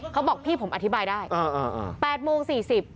เขาบอกพี่ผมอธิบายได้อ่าอ่าอ่าแปดโมงสี่สิบ